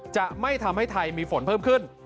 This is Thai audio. จะไม่ทำให้ไทยมีฝนเพิ่มขึ้น